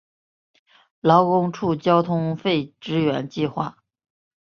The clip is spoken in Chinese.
劳工处交通费支援计划